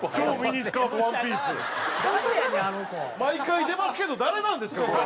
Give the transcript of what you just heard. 毎回出ますけど誰なんですか？